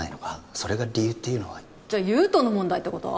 それが理由っていうのはじゃあ優人の問題ってこと？